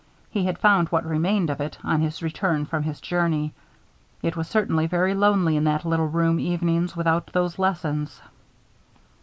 He had found what remained of it, on his return from his journey. It was certainly very lonely in that little room evenings, without those lessons.